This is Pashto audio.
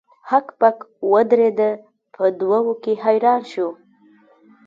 هک پک ودریده په دوه وو کې حیران شو.